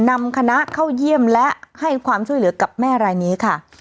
นำคณะเข้าเยี่ยมและให้ความช่วยเหลือกับแม่รายนี้ค่ะ